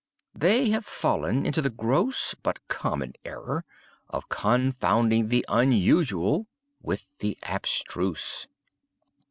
They have fallen into the gross but common error of confounding the unusual with the abstruse.